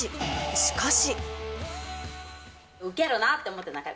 しかし。